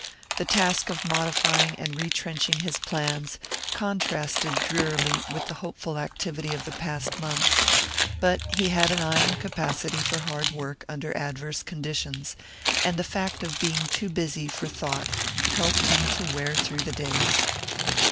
The task of modifying and retrenching his plans contrasted drearily with the hopeful activity of the past months, but he had an iron capacity for hard work under adverse conditions, and the fact of being too busy for thought helped him to wear through the days.